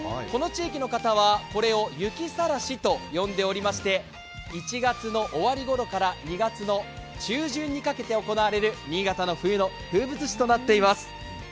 この地域の方はこれを雪さらしと呼んでおりまして１月の終わりごろから２月の中旬にかけて行われる新潟の冬の風物詩となっています。